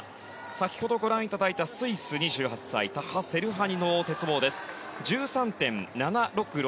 先ほどご覧いただいたスイス２８歳、タハ・セルハニの鉄棒、１３．７６６。